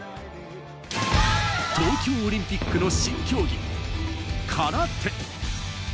東京オリンピックの新競技・空手。